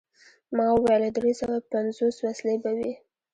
ما وویل: دری سوه پنځوس وسلې به وي.